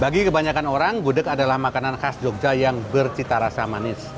bagi kebanyakan orang gudeg adalah makanan khas jogja yang bercita rasa manis